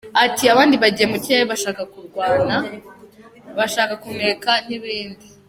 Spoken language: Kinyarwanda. Ati “Abandi bagiye mu kirere bashaka kurwana, bashaka kunekana n’ibindi.